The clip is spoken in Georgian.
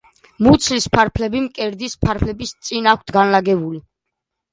მუცლის ფარფლები მკერდის ფარფლების წინა აქვთ განლაგებული.